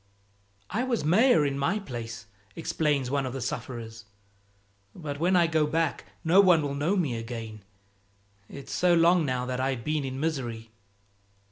"I was mayor in my place," explains one of the sufferers, "but when I go back no one will know me again, it's so long now that I've been in misery."